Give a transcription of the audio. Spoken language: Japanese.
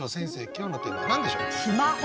今日のテーマは何でしょう？